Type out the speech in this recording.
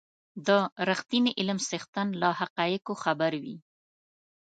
د رښتيني علم څښتن له حقایقو خبر وي.